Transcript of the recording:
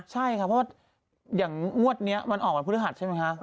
ใช่ค่ะเพราะว่าอย่างงวดนี้มันออกวันพฤหัสใช่ไหมคะ